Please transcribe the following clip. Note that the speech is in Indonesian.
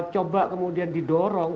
coba kemudian didorong